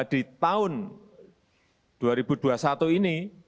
di tahun dua ribu dua puluh satu ini